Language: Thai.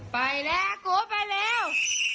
ไปแล้วโก๊ไปแล้ว